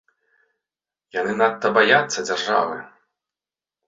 Яны надта баяцца дзяржавы.